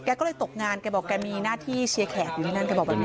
แกก็เลยตกงานแกบอกแกมีหน้าที่เชียร์แขกอย่างนี้